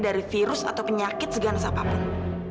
dari virus atau penyakit segala sapa pun